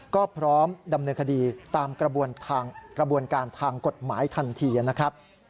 ก็พร้อมดำเนินคดีตามกระบวนการทางกฎหมายทันทีนะครับ